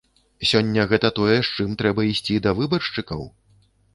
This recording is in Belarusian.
Сёння гэта тое, з чым трэба ісці да выбаршчыкаў?